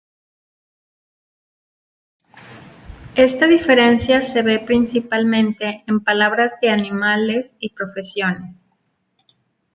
Esta diferencia se ve principalmente en palabras de animales y profesiones.